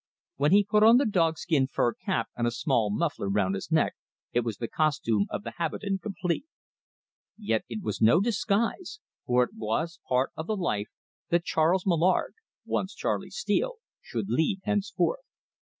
When he put on the dog skin fur cap and a small muffler round his neck, it was the costume of the habitant complete. Yet it was no disguise, for it was part of the life that Charles Mallard, once Charley Steele, should lead henceforth.